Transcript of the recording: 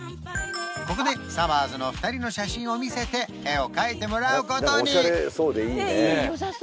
ここでさまぁずの２人の写真を見せて絵を描いてもらうことに！